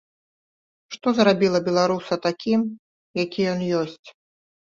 Што зрабіла беларуса такім, які ён ёсць?